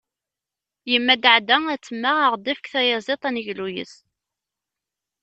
Yemma Daɛda ad temmeɣ ad aɣ-d-tefk tayaziḍt ad d-neglu yis-s.